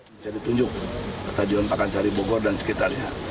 bisa ditunjuk stadion pakansari bogor dan sekitarnya